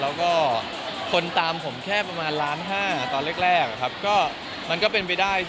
แล้วก็คนตามผมแค่ประมาณล้านห้าตอนแรกครับก็มันก็เป็นไปได้